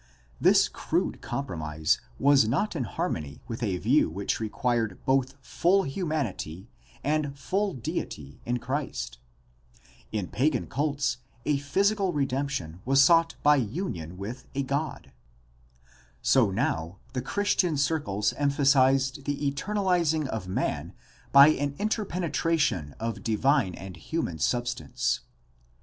This crude compromise was not in harmony with a view which required both full humanity and full deity in Christ. In pagan cults a physical redemption was sought by union with 356 GUIDE TO STUDY OF CHRISTIAN RELIGION a god. So now the Christian circles emphasized the eternaliz ing of man by an interpenetration of divine and human sub stance.